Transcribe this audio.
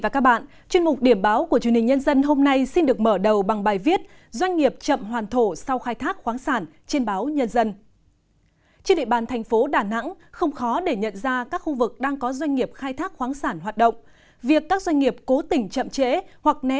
các bạn hãy đăng ký kênh để ủng hộ kênh của chúng mình nhé